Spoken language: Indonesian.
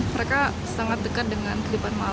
mereka sangat dekat dengan kehidupan maaf